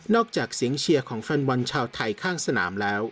จากเสียงเชียร์ของแฟนบอลชาวไทยข้างสนามแล้ว